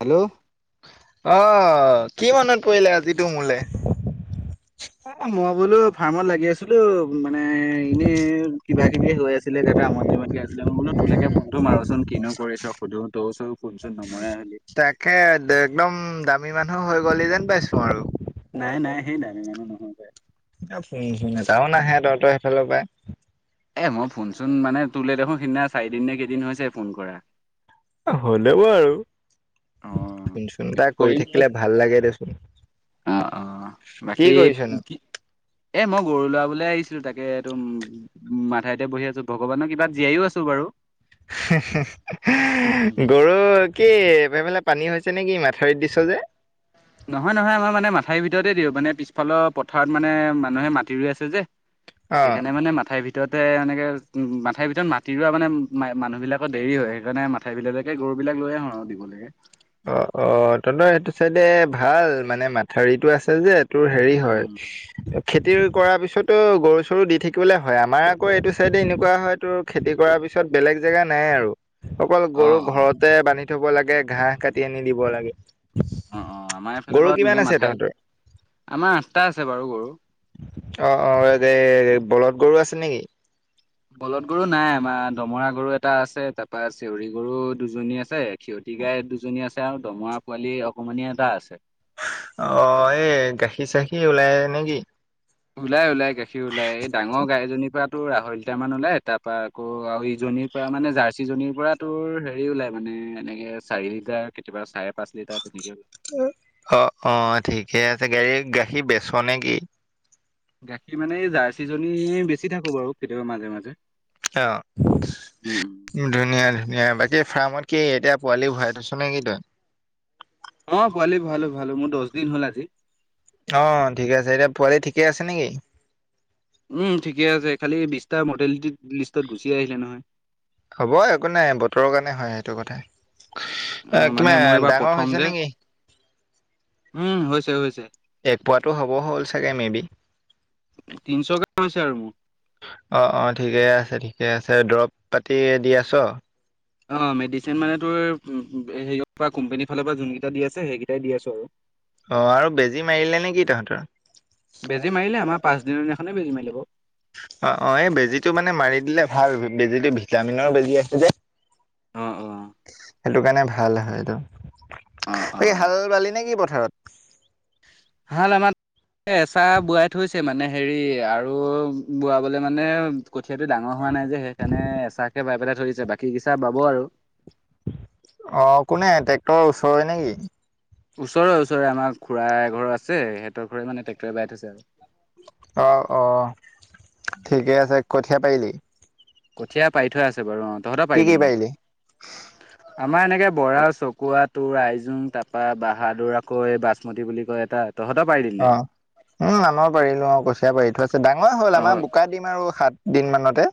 Hello আহ। কি মনত পৰিলে আজিতো মোলে? অ মই বোলো ফাৰ্মত লাগি আছিলো। মানে এনে কিবা কিবি হৈ আছে। আছিলেইটা আমনজীৱনকে আছিলে। মই বোলো তোৰলকে ফোনটো মাৰো কিনো কৰিছ সুধো তো চ ফোন চোন নমৰে হলি। তাকে একদম দামী মানুহ হৈ গ'ল যেন পাইছো আৰু। নাই নাই সেই নাই ইমানো নহয়। শু ফোন এটাাও নাহে তহঁতই সেইফালৰ পাই। এ মই ফোনচোন মানে তোৰলৈ দেখোন সিদিনা চাৰিদিন নে কেইদিন হৈছে ফোন কৰা। হ'লে ব আৰু। অ ফোনচুন এটা বাকী কৰি কৰিম থাকিলে ভাল লাগে দেচোন। অ অ কি বাকী কৰিছনো? কি। এ মই গৰু লৰাবলে আহিছিলো তাকে এইটোম মাথাাইতে বহি আছো ভগৱানক কিবা জীয়াইও আছো বাৰু। হে হে হে হে গৰু কি এফেফালে পানী হৈছে নে কি মাথাউৰিত দিছ যে। অ'। নহয় নহয় আমাৰ মানে মাথাইৰ ভিতৰতেই দিওঁ মানে পিছফালৰ পথাৰত মানে মানুহে মাটি ৰুই আছে যে। অ'। সেইকাৰণে মানে মাথাই ভি। ভিততে এনেকে মাথাই ভিতৰত মাটি ৰোৱা মানে ম মানুহবিলাকৰ দেৰি হয় সেইকাৰণে মাথাইবিলতকে গৰু তবিলাক লৈ আহো আৰু দিব লাগে। অ অ তদই সেইটো চাইডে ভাল মানে মাথাৰিটো আছে যে তোৰ হেৰি হয় উম, খেতি কৰাৰ পিছতো গৰু চৰু দি থাকিবলৈ হয়। আমাৰ আকৌ এইটো চাইডে এনেকুৱা হয় তো। খেতি কৰাৰ পিছত বেলেগ জেগা নাই আৰু। অকল গৰু অ', অ'। ঘৰতে বান্ধি থব লাগে ঘাঁহহ কাটি আনি দিব লাগে। অ, অ, আমাৰ এইফালে গৰু বাৰু কিমান তেুনেকে আছে মাথাই তহঁতৰ আমাৰ আঠটা আছে বাৰু গৰু। অ, অ এই বলদ গৰু আছে নেকি? বলদ গৰু নাই আমাৰ দমৰা গৰু এটা আছে তাৰপা চিউৰি গৰু দুজনী আছে সিয়তি পিতি গাই দুজনী আছে আৰু দমৰা পোৱালি অকণমানেই এটা আছে। অ এই গাখীৰ চাখীৰ ওলাই নেকি? ওলাই ওলাই গাখীৰ ওলাই, এই ডাঙৰ গাইজনীৰ পৰা। তোৰ আঢ়ৈ লিটাৰ মান ওলাই তাৰ পৰা আকৌ আৰু ইজনীৰ পৰা মানে জাৰ্চি জনীৰ পৰা তোৰ হেৰি ওলাই মানে এনেকে চাৰি লিটাৰ কেতিয়াবা চাৰে পাঁচ লিটাৰ তেনেকে। অ অ ঠিকে আছে গাড়ীৰ গাখীৰ বেচ নে কি? গাখীৰ মানে এই জাৰ্চিজনী বেছি থাকো বাৰু কেতিয়াবা মাজে মাজে। [unintelligible] উম। পোৱালি ভৰাইথয়ছ নে কি তই। অ পোৱালি ভৰালো ভৰালো মোৰ দশ দিন হ'ল আজি। অ' ঠিকে আছে এতিয়া পোৱালি ঠিকে আছে নেকি। উম, ঠিকে আছে খালি বিছটা মডেলিটিত হ'ব একো নাই বতৰৰ কাৰণে হয় সেইটো কথা। অ এ মানে মোৰ কিমান এইবাৰ ডাঙৰ প্ৰথম যে হৈছে নেকি। উম হৈছে- হৈছে। এক পোৱাটো হ'ব হ'ল চাগে মেবি। তিনিশ কাম আছে আৰু মোৰ। অ'- অ' ঠিকে আছে-ঠিকে আছে দৰৱ পাতি দি আছ। অ' মেডিচিন মানে তোৰ হেৰিয় পৰা কোম্পানীৰ ফালৰ পৰা যোনকেইটা দি আছে সেইকেইটাই দি আছো আৰু। অ' আৰু বেজী মাৰিলে নেকি তহঁতৰ। বেজি মাৰিলে আমাৰ পাঁচ দিনৰ দিনাখনে বেজি মাৰি লে বাও। অ' -অ' এই বেজীটো মানে মাৰি দিলে ভাল বেজীটো ভিটামিনৰ বেজি আছে যে। অ'- অ'। সেইটো কাৰণে ভাল হয় এইটো অ', বাক অ'। হাল বালি নে কি পথাৰত। হাল আমাৰ এ এচোৱা বোৱাই থৈছে মানে হেৰি আৰু বোৱাবলে মানে কঠিয়াটো ডাঙৰ হোৱা নাই যে সেইকাৰণে এচাকে বাই পেলাই থৰিছে বাকী গিচোৱা বাব আৰু। হয় নেকি। ওচৰে ওচৰে আমাৰ খুড়াৰ এ ঘৰ আছে। সিহঁতৰ ঘৰে মানে টেক্টৰে বাই থৈছে আৰু। অ'- অ' ঠিকে আছে কঠিয়া পাৰিলি। কঠীয়া পাৰি থৈ আছে বাৰু অ তহঁত কি কি পাৰিলিম নে। পাৰিলি আমাৰ এনেকে বৰা চকুৱা তোৰ আইজোং তাপৰা বাহাদুৰ আকৌ এই বাচমতী বুলি কয় এতাক। অ' উম আমৰ পাৰিলো অ' কছিয়া পাৰি থোৱা আছে ডাঙৰ হ'ল আমাৰ অ', বোকা দিম আৰু শাত দিন মানতে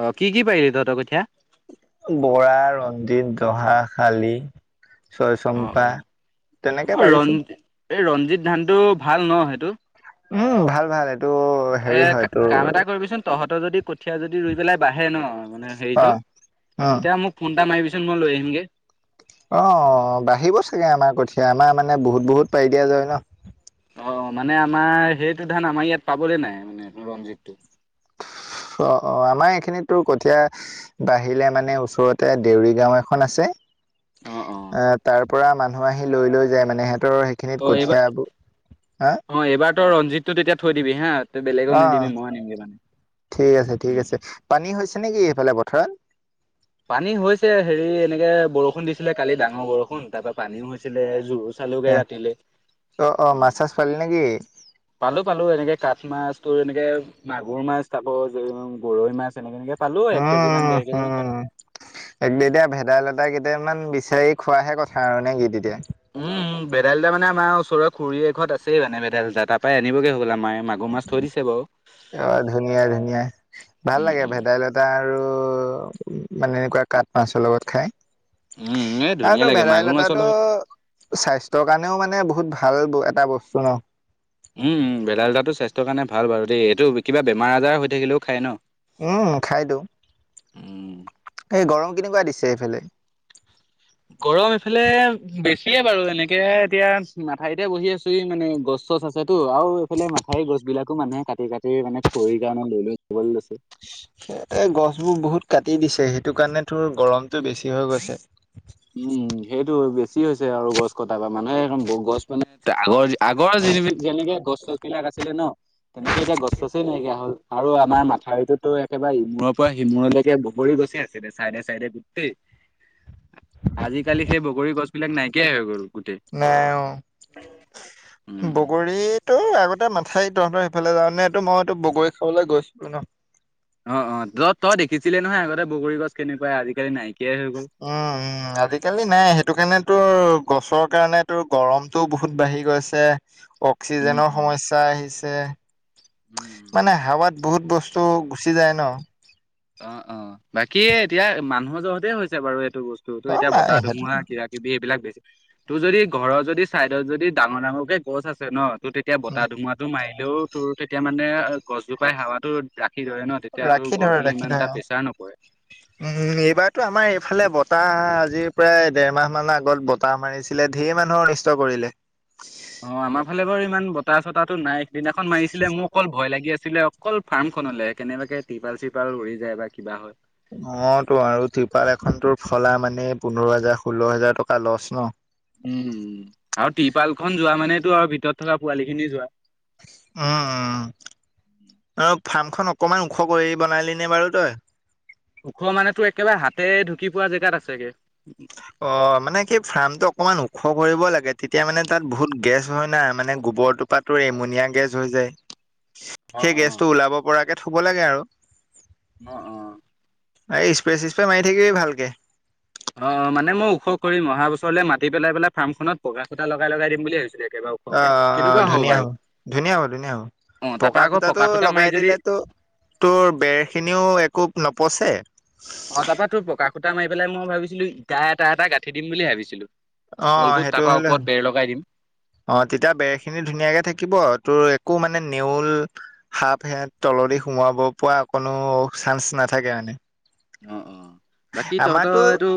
অ' কি কি পাৰিলি তহঁতৰ কঠীয়া? বৰা ৰঞ্জিত। জহা শালি অ', চয়চম্পা অ'। তেনেকে অ পাৰিছোঁ। ৰঞ্জি এই ৰঞ্জিত ধানটো ভাল ন সেইটো। উম ভাল ভাল। এইটো এ হেৰি হয় তোৰ কাম এটা কৰিবিচোন তহঁত যদি কঠিয়া যদি ৰুই পেলাই বাঢ়ে ন মানে অ হেৰিটো উম তেতিয়া মোক ফোন এটা মাৰিবিচ। মই লৈ আহিমগে। অ বাঢ়িব চাগে আমাৰ কঠীয়া আমাৰ মানে বহুত বহুত পাৰি দিয়া যায় হয় ন। অ মানে আমাৰ সেইটো ধান আমাৰ ইয়াত পাবলৈ নাই মানে ৰঞ্জিতটো। অ', অ আমাৰ এইখিনিত তো কঠীয়া বাহিলে মানে ওচৰতে দেউৰী গাও এখন আছে। অ তাৰ পৰা মানুহ আহি লৈ লৈ যায়। মানে সিহ ত' সেইখিনিত অ কঠিয়া বোৰ হা। ত ৰঞ্জিতটো তেতিয়া থৈ দিবি হা। তই বেলেগক অ নিদিবি মই আনিমগে মানে ঠিক আছে ঠিক উম আছে পানী হৈছে নেকি? ফালে পথাৰত। পানী হৈছে হেৰি এনেকে বৰষুণ দিছিলে কালি ডাঙৰ বৰষুণ তাৰ পৰা পানীও হৈছিলে জুজ। চালু গায় ৰাতিলে। অ অ মাছ চাছ পালি নেকি পালো- পালো এনেকে কাঠ মাছ তোৰ এনেকে মাগুৰ মাছ পাব যে গৰৈ মাছ এনেকে- এনেকে। পালো এক কেজি মান উম ডেৰ কেজি উম মান পালো [unintelligible] ভেদাইলত তাই কেইটামান বিচাৰি খোৱাহে কথা আৰু নে কি তেতিয়া। উম ভেদাইলতা মানে আমাৰ ওচৰৰ খুৰীৰ এ ঘৰত আছেই মানে ভেদাইলতা তাৰ পৰাই আনবগৈ হব'লা। আ মায়ে মাগুৰ মাছ থৈ দিছে বাৰু। অ' ধুনীয়া-ধুনীয়া ভাল উম লাগে উম ভেদাইলতা আৰু আৰু মানে এনেকুৱা কাঠ মাছৰ লগত খাই। উম এই ধুনীয়া এইটো লাগে মাগুৰ মাছৰ ভেদাইলতাটো লগত স্বাস্থ্যৰ কাৰণেও মানে বহুত ভা ভাল এটা বস্তু ন উম উম ভেদাইলতাটো স্বাস্থ্যৰ কাৰণে ভাল বাৰু দেই এইটো কিবা বেমাৰ আজাৰ হৈ থাকিলেও খায় ন উম খাই দিওঁ উম এই গৰম কেনেকুৱা দিছে এইফালে এফালে বেছিয়ে বাৰু এনেকে এতিয়া মাথাউৰিতে বহি আছো হি মানে গছ চছ আছেতো আও আও এইফালে মাথাউৰিৰ গছ বিলাকো মানুহে কাটি কাটি মানে খৰিৰ কাৰণে লৈ লৈ যাবলৈ লৈছে এ গছ বোৰ বহুত কাটি দিছে সেই সেইটো কাৰণে তোৰ গৰমটো বেছি হৈ গৈছে উম, সেইটো বেছি হৈছে আৰু গছ কটা বা মানুহে একম গছ মানে আগৰ আগৰ যেনেকে গছ চছ বিলাক আছিলে ন তেনেকে এতিয়া গছ চছে নাইকিয়া হ'ল। আৰু আমাৰ মাথাউৰিটোতো একেবাৰে ইমূৰৰ পৰা সিমূৰলৈকে বগৰী গছে আছিলে চাইডে চাইডে গোটেই আজিকালি সেই বগৰী গছ বিলাক নাইকিয়াই হয় গল গোটেই নাই অ', উম, উম। বগৰীতো আগতে মান ঠেই তহঁতৰ সিফালে যাওঁ নে এইটো মইতো বগৰী খাবলৈ গৈছিলো ন অ অ তত তই দেখিছিলে নহয় আগতে বগৰী গছ কেনেকুৱাই আজিকালি নাই উম উম আজিকালি নাই সেইটো কাৰণেতো গছৰ কাৰণে তো গৰমতটো বহুত বাঢ়ি গৈছে উম, অক্সিজেনৰ উম। সমস্যা আহিছে উম, উম। মানে হাৱাত বহুত বস্তু গুচি যায় ন অ', অ', বাকী এতিয়া মানুহৰ জহতে হৈছে বাৰু বস্তুো অ', এতিয়া বতাহ নাই সেইটো ধুমুহা কিবা- কিবি এইবিলাক বেছি তোৰ যদি ঘৰৰ যদি চাইডত যদি ডাঙৰ ডাঙৰ কে গছ আছে ন তোৰ তেতিয়া উম, বতাহ ধুমুহাটো মায় লেও তোৰ তেতিয়া মানে গছজোপাই হোৱাতো ৰাখি ধৰে ন তেতিয়া তোৰ ৰাখি ঘৰত [unintelligible] উম এইবাৰতো আমাৰ এইফালে বতাহ আজিৰ প্ৰায় দেৰমাহ মানৰ আগত বতাহ মাৰিছিলে ঢেৰ মানুহৰ অনিষ্ট কৰিলে অ আমাৰ ফালে বাৰু ইমান বতাহ চতাহটো নাই সিদিনাখন মাৰিছিলে মোৰ অকল ভয় লাগি আছ আছিলে অকল ফাৰ্ম খনলে কেনেবাকে টিপাল চিপাল উৰি যায় বা কিবা হয় অ', তো আৰু ত্ৰিপাল এখন তোৰ ফলা মানে পোন্ধৰ হাজাৰ ষোল্ল হোজাৰ টকা লচ ন উম, আৰু ট্ৰিৰপাল খন যোৱা মানেতো আৰু ভিতৰত থকা পোৱালি খিনি যোৱা উম, উম, অ',। ফাৰ্মখন অকনমান ওখ কৰি বনালি নে বাৰু তই ওখ মানেতো একেবাৰে হাতে ঢুকি পোৱা জেগাত আছেগে। অ', মানে কি ফাৰ্ম টো অকমান ওখ কৰিব লাগে তেতিয়া মানে তাত বহুত গেছ হয় নাই মানে বৰটোপাটো এমনিয়া গেছ হৈ যায়। অ', সেই অ', গেছটো ওলাব পৰাকে থব লাগে আৰু অ অ এই স্প্ৰে চিচপ্ৰে মাৰি থাকিবি ভালকে অ মানে মই ওখ কৰিম অহা বছৰলে মাতি পেলাই পেলাই ফাৰ্মখনত পকা খুটা লগাই লগাই দিম বুলি ভাবিছিলো। অ', অ', ধুনীয়া হ ধুনীয়া হ'ব ধুনীয়া হ অ', তাৰপা পকা আকৌ খুটাটো খুটা মাৰি লগাই যদি দিলেতো তোৰ বেৰ খিনিও একো ন পচে অ তাৰপা তোৰ পকা খুটা মাৰি পেলাই মই ভাবিছিলো ইটা এটা এটা গাঁঠি দিম বুলি ভাবিছিলো। অ' তলটো সেইটো তাৰপৰা হ'লে ওপৰত বেৰ লগাই দিম অ তেতিয়া বেৰ খিনি ধুনীয়াকে থাকিব তোৰ একো মানে নেউল সাপ সে তলদি সোমাব পৰা কোনো চান্স নাথাকে মানে [unintelligible] অ', অ', বাকী তহঁতৰ এইটো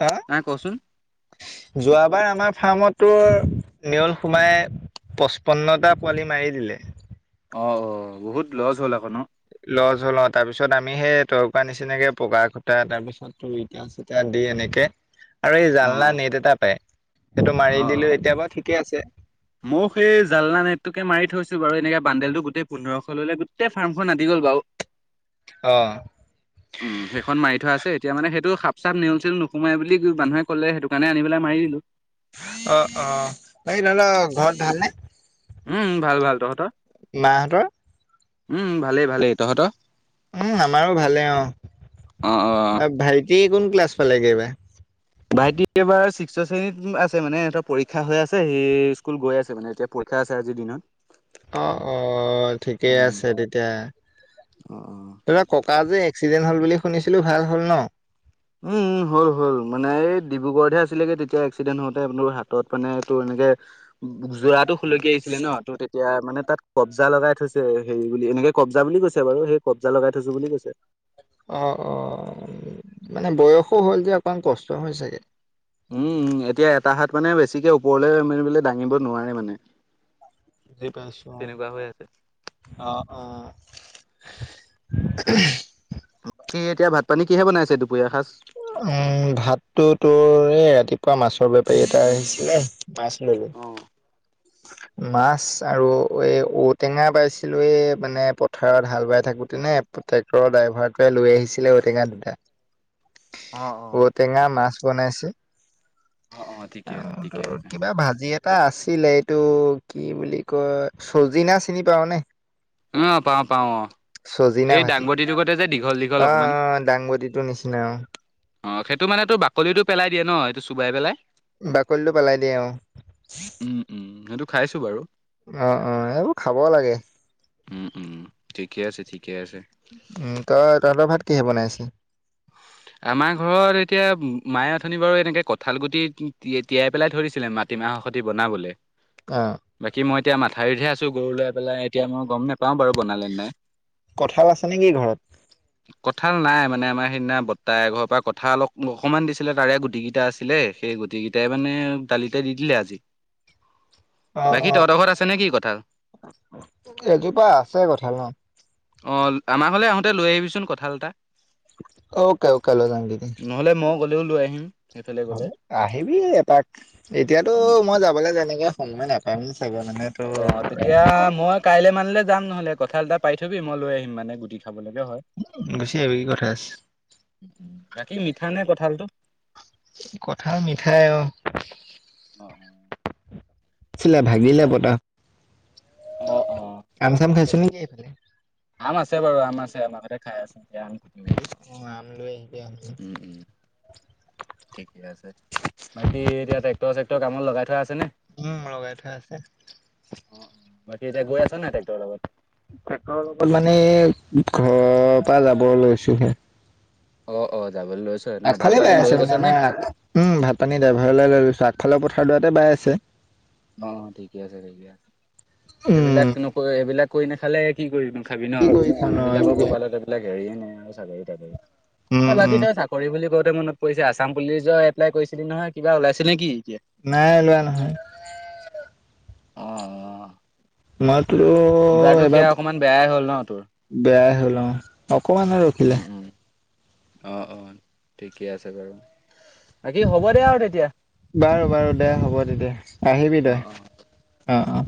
হ নাই কচোন যোৱাবাৰ আমাৰ ফাৰ্মত ৰ নেউল সুমাই পঁচপন্নটা পোৱালি মাৰি দিলে অ', অ', বহুত লছ হ'ল আকৌ ন। লজ হল তাৰপিছত আমি সেই তৰকাৰ নিচিনাকে পকা খুটা তাৰপিছত চতি [inaudible] এনেকে আৰু এই অ', জালনা অ', নেট এটা পায়, সেইটো মাৰি দিলে এতিয়া বাৰু ঠিকে আছে। মইয়ো সেই জালনা নেটটোকে মাৰি থৈছো বাৰু, এনেকে বান্দোলটো গোটেই পোন্ধৰশ ললে গোটেই ফাৰ্মখন আদি গ'ল বাৰু। অ উম, হেই খন মাৰি থোৱা আছে। হেইটো মানে সাপ চাপ নেউল ছেউল নোসোমাই বুলি মানুহে ক'লে, সেইটো কাৰণে আনি পেলাই মাৰি দিলো। অ অ এই তহঁতৰ ঘৰত ভাল নে [inaudible] উম ভাল ভাল তহঁতৰ? মা হঁতৰ? উম ভালেই ভালেই তহঁ উম, আমাৰো ভালে অ', ভাইটি কোন ক্লাছ পালেগে এইবাৰ? ভাইটি এইবাৰ ছিক্স শ্ৰেণীত আছে মানে, সিহঁত পৰীক্ষা হৈ আছে সি স্কুল গৈ আছে মানে এতিয়া। পৰীক্ষা আছে আজিৰ দিনত। অ অ ঠিকেই উম, আছে তেতিয়া অ', অ'। ধৰা ককা যে এক্সিডেণ্ট হ'ল বুলি শুনিছিলো ভাল হ'ল ন? উম উম হ'ল হ'ল মানে এই ডিবুগড়হে আছিলে তেতিয়া এক্সিডেণ্ট হওঁতে আপোন হাতত মানে এইটো এ যে যোৰাতটো খোলকি আহিছিলে ন? ত' তেতিয়া মানে তাত কব্জা লগাই থৈছে হেৰি বুলি এনেকে কব্জা বুলি কৈছে বাৰু সেই কব্জা লগাই থৈছো বুলি কৈছে। অ', অ' মানে বয়সো হ'ল যে অকমান কষ্ট হয় চাগে। উম এতিয়া এটা হাত মানে বেছিকে ওপৰলৈ মেলি বলে দাঙিব নোৱাৰে মানে। বুজি তেনেকুৱা হৈ আছে। পইছো অ' অ' অ'। [inaudible] কি এতিয়া ভাত পানী কিহে বনাইছে দুপৰীয়া সাজ? উম, ভাত টো তোৰ এই ৰাতিপুৱা মাছৰ বেপাৰী এটা আহিছিলে ল'লো। অ মাছ আৰু এই ঔটেঙা পাইছিলো এই মানে পথাৰত হাল বাই থাকোতে নে ট্ৰেক্টৰৰ ড্ৰাইভাৰটোৱে লৈ আহিছিলে ঔটেঙা দুটা অ ঔ টেঙা মাছ বনাইছে। অ অ ঠিকে আছে ঠিকে আৰু আছে কিবা ভাজি এটা আছিলে টো কি বুলি কয় চজিনা চিনি পাৱ নে? অহ, পাওঁ পাওঁ অ'। চজিনা এই ভাজি দাংবতিটো সৈতে যে দীঘল দীঘল অ', অকমান। অ', দাংবদিটোৰ নিচিনা অ'। অ' সেইটো মানে তোৰ বাকলিটো পেলাই দিয়ে ন এইটো চোবাই পেলাই? বাকলিটো পেলাই দিয়ে অ'। খাইছোঁ বাৰু। অ', অ', এইবোৰ খাব লাগে। উম, উম ঠিকে আছে, ঠিকে আছে। উম, তই তহঁতৰ ভাত কিহে বনাইছে? আমাৰ ঘৰত এতিয়া মায়ে অথনি বাৰু এনেকে কঁঠালগুটি তি-তি-তিয়াই পেলাই থৈ দিছিলে মাটি মাহ সতি বনাবলে। অ', বাকী মই এতিয়া মাথাউৰিতহে আছোঁ গৰু লাই পেলাই এতিয়া মই গম নেপাও বাৰু বনালে নাই। কঁঠাল আছে নেকি ঘৰত? কঁঠাল নাই মানে আমাৰ সেইদিনা বৰ্তা এঘৰৰ পৰা কঁঠাল অক-অকণমান দিছিলে তাৰে গুটিকিটা আছিলে, সেই গুটিকিটাই মানে দালিতে দি দিলে আজি, অ', বাকী অ', তহঁতৰ আছে নেকি কঁঠাল? এজোপা আছে কঁঠাল অ', অ', আমাৰ ঘৰলে আহোঁতে লৈ আহিবিচোন কঠা [unintelligible] অ'কে, অ'কে লৈ [unintelligible] মই লৈ আহিম। সেইফালে গ'লে হ'ব, আহিবি এপাক। এতিয়াতো মই যাবলে তেনেকে সময় নাপাম। চাগে মানে তোৰ অ'তেতিয়া মই কাইলে মানলে যাম, নহ'লে কঠাল এটা পাৰি থবি মই লৈ আহিম মানে গুটি। খাবলৈকে হয় গুচি আহিবি কি কথা আছে। বাকী মিঠা নে কঠালটো? কঠাল মিঠা অ'। অ' আছিলে ভাগিলে পতা। অ অ অ আম, চাম খাইছনে কি। আম আছে বাৰু আম আছে, আম ঘৰতে খাই আছে। [unintelligible] উম', আম লৈ আহিবি আম উম', ঠিকে তামোত লগাই থোৱা আছে। নে? উম'লগাই থোৱা আছে। বাকী এতিয়া গৈ আছা নাই ট্ৰেক্টৰৰ লগত? তেখেতৰ লগত মানে ঘৰৰ পৰা যাব লৈছোহে। অ', অ', যাবলৈ লৈছো ন ভাত আগফালে পানী বাই লৈ আছে গৈছ মানে নে? আমাৰ উম', ভাত পানী ড্ৰাইভাৰলে লৈ লৈলছো আগফালৰ। খাদুৱাতে বাই আছে। অ', ঠিকে আছে, ঠিকে আছে উম সেইবিলাক নকৰি সেইবিলাক কৰি নাখালে কি কৰি। খাবি ন, কি কৰি খাম ন আমাৰ বিলাকৰ এইবোৰকে কপালত এবিলাক হেৰিয়ে নাই আৰু চাকৰি, উম তাকৰি। উম বাকী তই চাকৰি বুলি কওঁতে মনত পৰিছে আছাম পুলিচৰ এপ্লাই কৰিছিলি নহয় কিবা ওলাইছিল নে কি এতিয়া নাই লোৱা নহয়। মইতো এইবাৰতো এবাৰ সেয়া অকমান বেয়াই হ'ল ন তোৰ। বেয়াই হ'ল অ', অকমান ৰখিলে। উম, উম, অ', অ', ঠিকেই আছে বাৰু বাকী হ'ব দে আৰু তেতিয়া। বাৰু, বাৰু, দে হ'ব তেতিয়া। আহিবি তই অ', অ',।